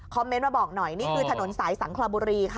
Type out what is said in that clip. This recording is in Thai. เมนต์มาบอกหน่อยนี่คือถนนสายสังคลาบุรีค่ะ